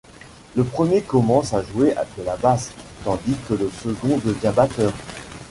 Le premier commence à jouer de la basse, tandis que le second devient batteur.